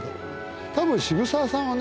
多分渋沢さんはね